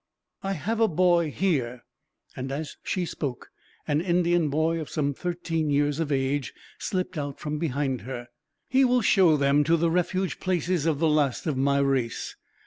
"I have a boy here." And as she spoke an Indian boy, of some thirteen years of age, slipped out from behind her. "He will show them to the refuge places of the last of my race.